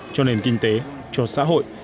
cho nền kinh tế cho xã hội